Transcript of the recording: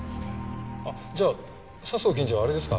あっじゃあ佐相検事はあれですか？